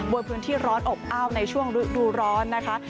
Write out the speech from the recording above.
โดยพื้นที่ร้อนอบอ้าวในช่วงฤดูร้อนนะคะ